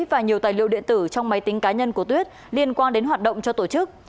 và nhiều tài liệu điện tử trong máy tính cá nhân của tuyết liên quan đến hoạt động cho tổ chức